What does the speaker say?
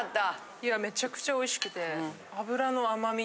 いやめちゃくちゃおいしくて。